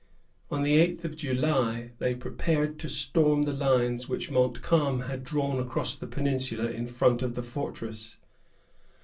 On the eighth of July, they prepared to storm the lines which Montcalm had drawn across the peninsula in front of the fortress.